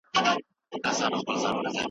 علم د انسانیت لوی ویاړ دی.